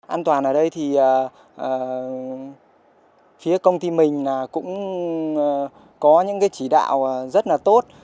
an toàn ở đây thì phía công ty mình là cũng có những cái chỉ đạo rất là tốt